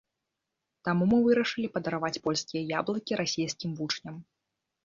Таму мы вырашылі падараваць польскія яблыкі расейскім вучням.